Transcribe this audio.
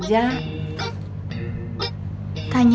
ada yang kurang